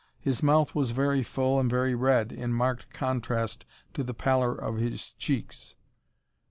His mouth was very full and very red, in marked contrast to the pallor of his cheeks.